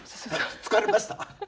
疲れました？